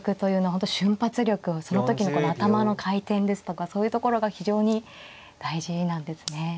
本当瞬発力その時のこの頭の回転ですとかそういうところが非常に大事なんですね。